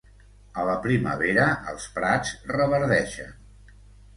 A la primavera els prats reverdeixen.